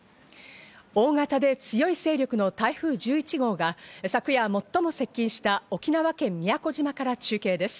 大型で強い勢力の台風１１号が昨夜、最も接近した沖縄県宮古島から中継です。